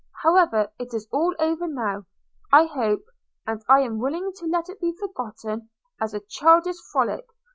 However, it's all over now, I hope; and I am willing to let it be forgot as a childish frolic.